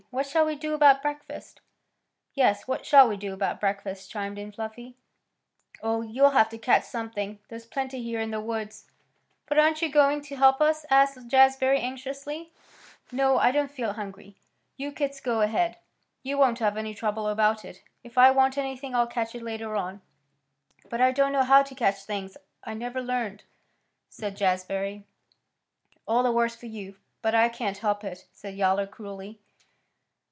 What shall we do about breakfast?" "Yes; what shall we do about breakfast?" chimed in Fluffy. "Oh, you'll have to catch something. There's plenty here in the woods." "But aren't you going to help us?" asked Jazbury anxiously. "No. I don't feel hungry. You kits go ahead. You won't have any trouble about it. If I want anything I'll catch it later on." "But I don't know how to catch things. I never learned," said Jazbury. "All the worse for you, but I can't help it," said Yowler cruelly.